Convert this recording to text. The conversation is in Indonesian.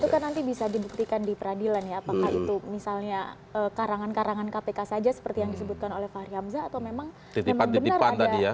itu kan nanti bisa dibuktikan di peradilan ya apakah itu misalnya karangan karangan kpk saja seperti yang disebutkan oleh fahri hamzah atau memang benar ada